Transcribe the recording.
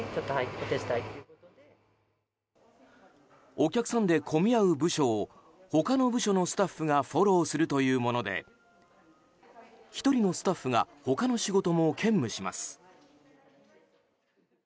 お客さんで混み合う部署を他の部署のスタッフがフォローするというもので１人のスタッフが他の仕事も兼務します。